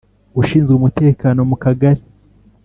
ushinzwe umutekano mu kagari